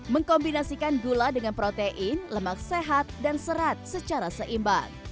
mengkombinasikan gula dengan protein lemak sehat dan serat secara seimbang